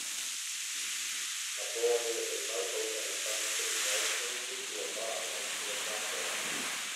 A boy with his mouth open and tongue sticking out clinging to a bar next to a platform